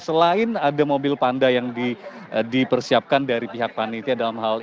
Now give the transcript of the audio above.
selain ada mobil panda yang dipersiapkan dari pihak panitia dalam hal ini